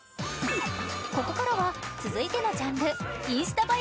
ここからは続いてのジャンルインスタ映え